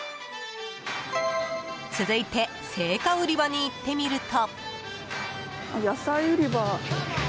続いて青果売り場に行ってみると。